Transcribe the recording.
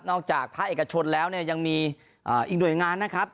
นอกจากพระเอกชนแล้วยังมีอีกหน่วยงานนะครับ